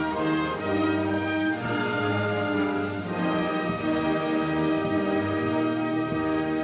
โปรดติดตามตอนต่อไป